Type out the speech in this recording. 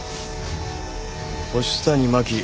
「星谷真輝。